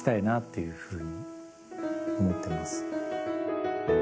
いうふうに思ってます。